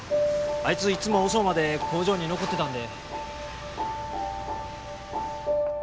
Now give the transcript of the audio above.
あいついつも遅うまで工場に残ってたんで。